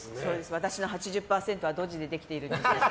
私の８０％はドジでできているんです。